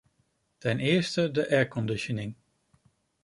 Ten eerste de airconditioning.